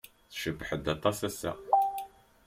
Tcebḥed aṭas ass-a.